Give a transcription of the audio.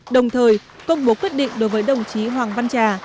đồng thời công bố quyết định đối với đồng chí hoàng văn trà